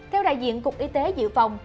theo đại diện cục y tế dự phòng